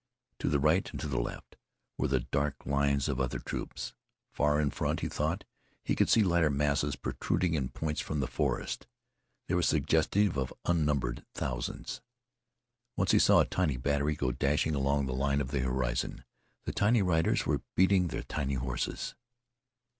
To the right and to the left were the dark lines of other troops. Far in front he thought he could see lighter masses protruding in points from the forest. They were suggestive of unnumbered thousands. Once he saw a tiny battery go dashing along the line of the horizon. The tiny riders were beating the tiny horses.